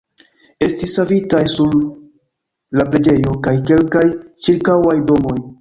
Estis savitaj nur la preĝejo kaj kelkaj ĉirkaŭaj domoj.